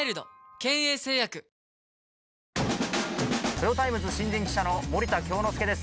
トヨタイムズ新人記者の森田京之介です。